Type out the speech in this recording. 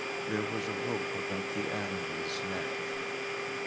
There was a rope about the animal's neck.